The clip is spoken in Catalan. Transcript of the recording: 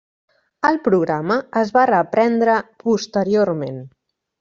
El programa es va reprendre posteriorment.